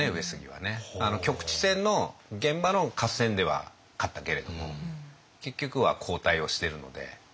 局地戦の現場での合戦では勝ったけれども結局は後退をしてるので。